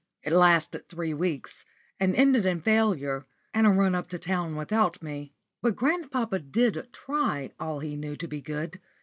It lasted three weeks, and ended in failure, and a run up to town without me. But grandpapa did try all he knew to be good.